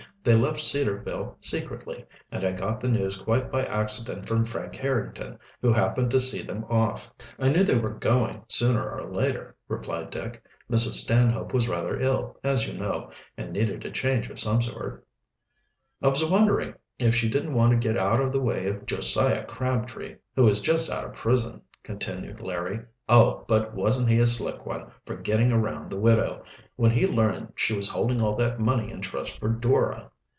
"They left Cedarville secretly, and I got the news quite by accident from Frank Harrington, who happened to see them off." "I knew they were going, sooner or later," replied Dick. "Mrs. Stanhope was rather ill, as you know, and needed a change of some sort." "I was wondering if she didn't want to get out of the way of Josiah Crabtree, who is just out of prison," continued Larry. "Oh, but wasn't he a slick one for getting around the widow when he learned she was holding all that money in trust for Dora."